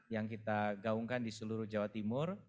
yang kita gaungkan di seluruh jawa timur